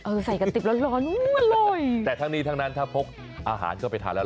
ใส่กระติบร้อนนู้นเลยแต่ทั้งนี้ทั้งนั้นถ้าพกอาหารก็ไปทานแล้ว